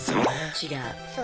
違う。